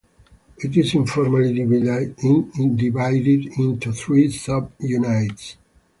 It is informally divided into three subunits.